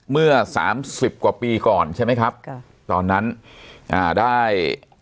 เมื่อสามสิบกว่าปีก่อนใช่ไหมครับค่ะตอนนั้นอ่าได้